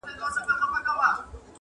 زه په خپل ځان کي بندي د خپل زندان یم،